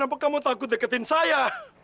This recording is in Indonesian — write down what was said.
kenapa kamu takut deketin saya